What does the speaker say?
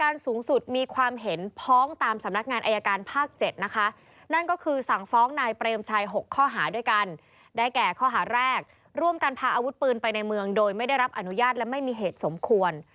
ร่วมกันพาอาวุธปืนไปในเมืองโดยไม่ได้รับอนุญาตและไม่มีเหตุสมควร